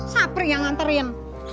sapri yang nganterin